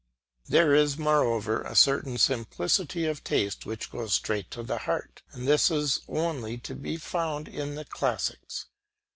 There is, moreover, a certain simplicity of taste which goes straight to the heart; and this is only to be found in the classics.